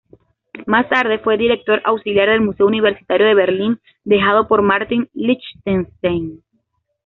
Más tarde fue director auxiliar del Museo Universitario de Berlín, dejado por Martin Lichtenstein.